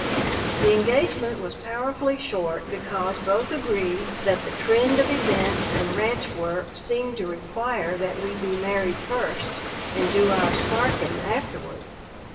The engagement was powerfully short because both agreed that the trend of events and ranch work seemed to require that we be married first and do our "sparking" afterward.